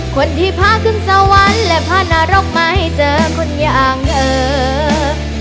คนที่พาขึ้นสวรรค์และพานรกมาให้เจอคนอย่างเอ่อ